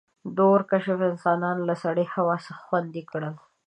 • د اور کشف انسانان له سړې هوا څخه خوندي کړل.